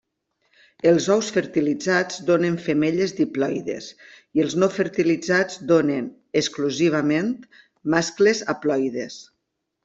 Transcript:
Els ous fertilitzats donen femelles diploides i els no fertilitzats donen, exclusivament, mascles haploides.